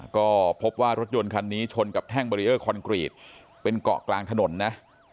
ก็พบว่ารถยนต์คันนี้ชนกับแท่งเบรีเออร์คอนกรีตเป็นเกาะกลางถนนนะ